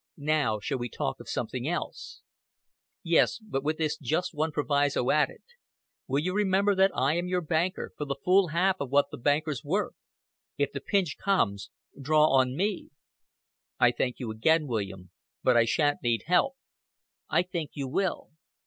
Now shall we talk of something else?" "Yes but with just this one proviso added. Will you remember that I am your banker, for the full half of what the banker's worth? If the pinch comes, draw on me." "I thank you again, William. But I shan't need help." "I think you will."